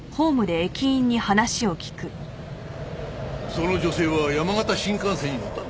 その女性は山形新幹線に乗ったんですね？